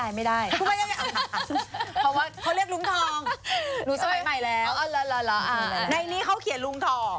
ในนี้เขาเขียนลุงทอง